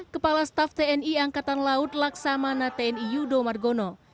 kepala staff tni angkatan laut laksamana tni yudo margono